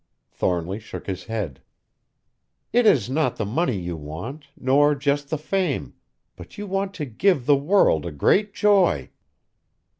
Thornly shook his head. "It is not the money you want, nor just the fame, but you want to give the world a great joy."